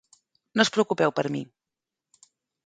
No us preocupeu per mi.